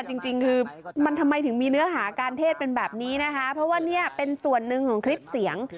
จริงคือมันทำไมถึงมีเนื้อหาการเทศเป็นแบบนี้นะคะเพราะว่าเนี่ยเป็นส่วนหนึ่งของคลิปเสียง